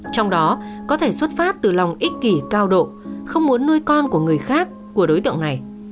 trong đó có thể xuất phát từ lòng ích kỷ cao độ không muốn nuôi con của người khác của đối tượng này